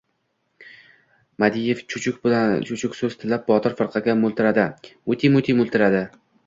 Madiev chuchuk so‘z tilab... Botir firqaga mo‘ltiradi. Mute-mute mo‘ltiradi.